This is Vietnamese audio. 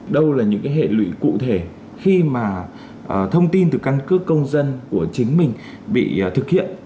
đâu là những cái hệ lụy cụ thể khi mà thông tin từ căn cước công dân của chính mình bị thực hiện